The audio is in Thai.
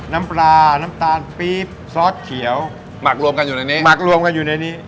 น้ำปลาน้ำตาลปี๊บซอสเขียวหมักรวมกันอยู่ในนี้หมักรวมกันอยู่ในนี้